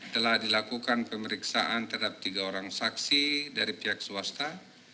telah dilakukan pemeriksaan terhadap tiga orang saksi dari pihak swasta